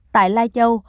tại lai châu